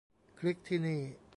คลิกที่นี่